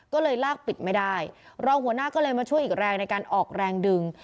ก็เลยลากปิดไม่ได้รองหัวหน้าก็เลยมาช่วยอีกแรงในการออกแรงดึง